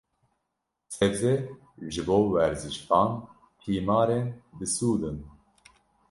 Sebze, ji bo werzîşvan tîmarên bisûd in.